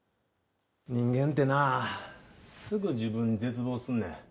人間ってなすぐ自分に絶望すんねん。